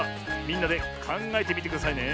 みんなでかんがえてみてくださいね。